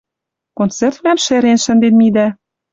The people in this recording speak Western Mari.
Концертвлӓм шӹрен шӹнден мидӓ.